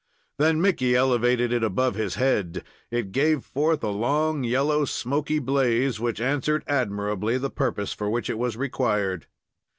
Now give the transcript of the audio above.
Then Mickey elevated it above his head, it gave forth a long yellow smoke blaze, which answered admirably the purpose for which it was required.